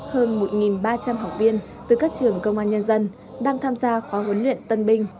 hơn một ba trăm linh học viên từ các trường công an nhân dân đang tham gia khóa huấn luyện tân binh